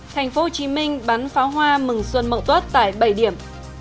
thành phố hồ chí minh bắn pháo hoa mừng xuân mậu tuất tại bảy điểm